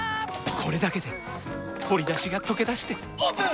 これだけで鶏だしがとけだしてオープン！